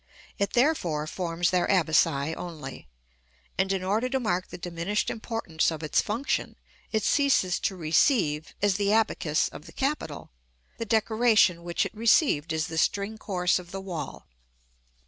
It therefore forms their abaci only; and in order to mark the diminished importance of its function, it ceases to receive, as the abacus of the capital, the decoration which it received as the string course of the wall.